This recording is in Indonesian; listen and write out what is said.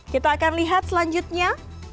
kita akan lihat selanjutnya